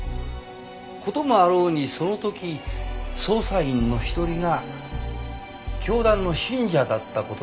事もあろうにその時捜査員の一人が教団の信者だった事があったね。